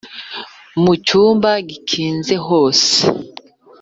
mu cyumba gikinze hose